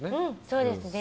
そうですね。